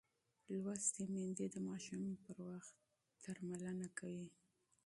لوستې میندې د ماشوم پر وخت درملنه کوي.